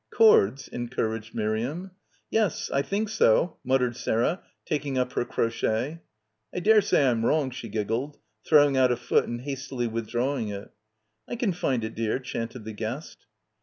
"Chords," encouraged Miriam. "Yes, I think so," muttered Sarah, taking up her crochet. "I daresay I'm wrong," she giggled, throwing out a foot and hastily withdrawing it. "I can find it, dear," chanted the guest.